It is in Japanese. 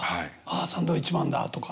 「ああサンドウィッチマンだ」とか。